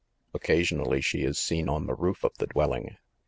Occasionally she is seen on the roof of the dwelling.